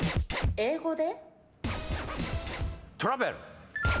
英語で？